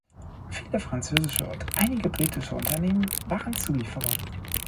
Viele französische und einige britische Unternehmen waren Zulieferer.